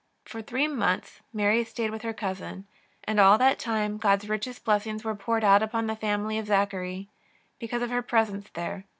For three months Mary stayed with her cousin, and all that time God's richest blessings were poured out upon the family of Zachary, because of her presence there.